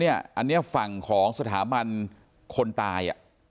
เพราะอันนี้ฝั่งสถามันคนตาย